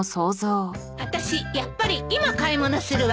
あたしやっぱり今買い物するわ。